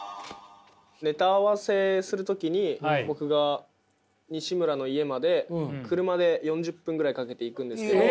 ネタ合わせする時に僕がにしむらの家まで車で４０分ぐらいかけて行くんですけど。